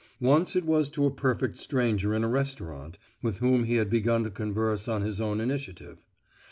Once it was to a perfect stranger in a restaurant, with whom he had begun to converse on his own initiative.